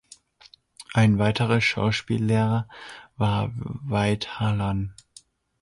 Ein weiterer Schauspiellehrer war Veit Harlan.